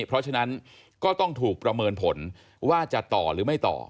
เพราะฉะนั้นก็ต้องถูกประเมินผลว่าจะต่อหรือไม่ต่อ